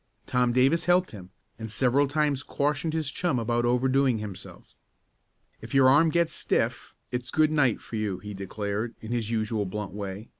Tom Davis helped him, and several times cautioned his chum about overdoing himself. "If your arm gets stiff it's good night for you," he declared, in his usual blunt way.